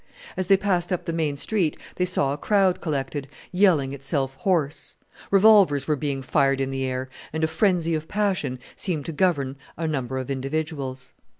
As they passed up the main street they saw a crowd collected, yelling itself hoarse. Revolvers were being fired in the air, and a frenzy of passion seemed to govern a number of individuals.